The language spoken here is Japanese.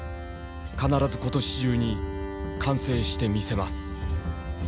必ず今年中に完成してみせます」。